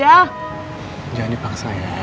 jangan dipaksa ya